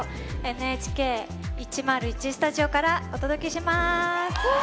ＮＨＫ１０１スタジオからお届けします！